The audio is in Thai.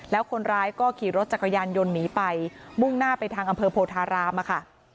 แล้วคนร้ายก็ขี่รถจักรยานยนต์หนีไปมุ่งหน้าไปทางอำเภอโพธารามค่ะ